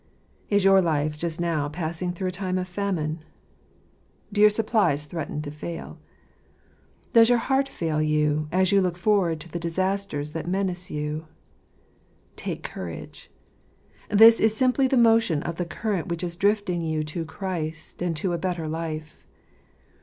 Is your life just now passing through a time of famine ? Do your supplies threaten to fail ? Does your heart fail you, as you look forward to the disasters that menace you ? Yet take courage ; this is simply the motion of the current which is drifting you to Christ and to a better life.